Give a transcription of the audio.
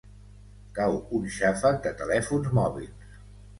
Cau un xàfec de telèfons mòbils.